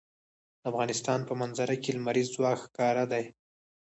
د افغانستان په منظره کې لمریز ځواک ښکاره ده.